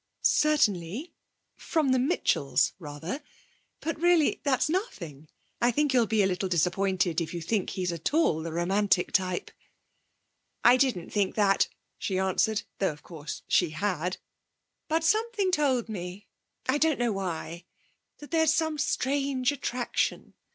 'Certainly; from the Mitchells rather. But, really, that's nothing. I think you'll be a little disappointed if you think he's at all of the romantic type.' 'I didn't think that,' she answered, though of course she had; 'but something told me I don't know why that there's some strange attraction....